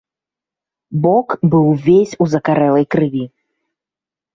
Бок быў увесь у закарэлай крыві.